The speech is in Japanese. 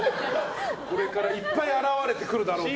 これからいっぱい現れてくるだろうけど。